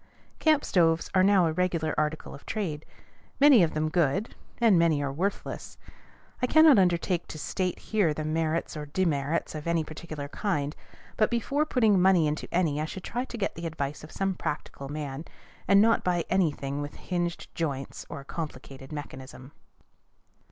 Camp stoves are now a regular article of trade; many of them are good, and many are worthless. I cannot undertake to state here the merits or demerits of any particular kind; but before putting money into any I should try to get the advice of some practical man, and not buy any thing with hinged joints or complicated mechanism.